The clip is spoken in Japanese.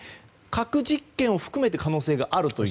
核実験を含めて可能性があると。